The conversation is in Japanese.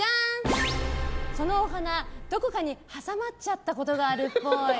そのお鼻、どこかに挟まっちゃったことがあるっぽい。